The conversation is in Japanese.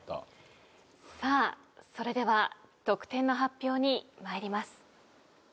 さあそれでは得点の発表に参ります。